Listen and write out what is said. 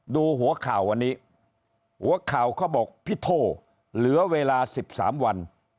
ดูหัวข่าววันนี้หัวข่าวเขาบอกพี่โทเหลือเวลา๑๓วัน